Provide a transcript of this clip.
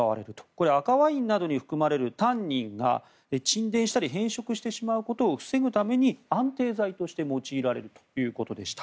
これ、赤ワインなどに含まれるタンニンが沈殿したり変色することを防ぐために、安定剤として用いられるということでした。